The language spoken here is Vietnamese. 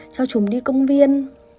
cho chúng đi công viên